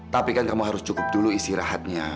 tapi kan kamu harus cukup dulu isi rahatnya